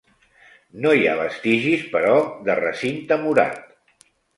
No hi ha vestigis, però, de recinte murat.